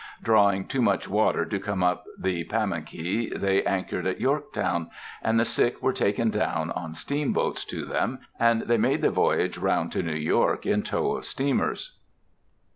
Drawing too much water to come up the Pamunkey, they anchored at Yorktown, and the sick were taken down on steamboats to them, and they made the voyage round to New York in tow of steamers.